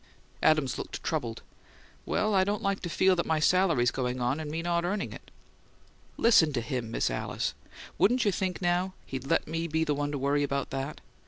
Adams looked troubled. "Well, I don't like to feel that my salary's going on with me not earning it." "Listen to him, Miss Alice! Wouldn't you think, now, he'd let me be the one to worry about that?